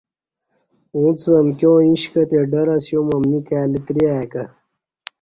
اݩڅ امکیاں ایݩش کہ تے ڈر اسیوم امنی کائ لتری ا ی کہ